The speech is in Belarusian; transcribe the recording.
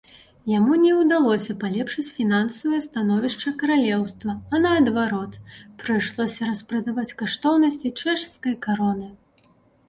Яму не ўдалося палепшыць фінансавае становішча каралеўства, а наадварот, прыйшлося распрадаваць каштоўнасці чэшскай кароны.